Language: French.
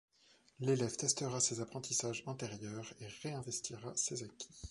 L’élève testera ses apprentissages antérieurs et ré-investira ses acquis.